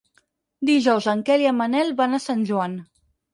Dijous en Quel i en Manel van a Sant Joan.